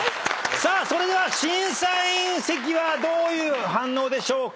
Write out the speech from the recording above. さあそれでは審査員席はどういう反応でしょうか？